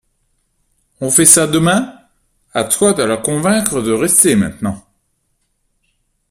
On fait ça demain? À toi de la convaincre de rester maintenant.